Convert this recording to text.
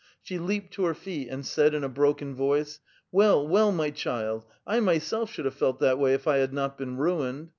She leaped to her feet, and said in a broken voice :—'' Well, well, my child, 1 myself should have felt that way? if I had not been ruined.